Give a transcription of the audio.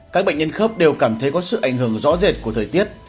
các bệnh nhân khớp đều cảm thấy có sự ảnh hưởng rõ rệt của thời tiết